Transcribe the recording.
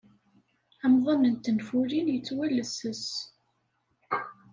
Amḍan n tenfulin yettwalesses.